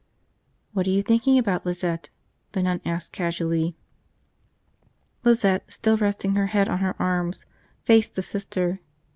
. "What are you thinking about, Lizette?" the nun asked casually. Lizette, still resting her head on her arms, faced the Sister.